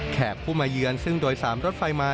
ผู้มาเยือนซึ่งโดยสารรถไฟมา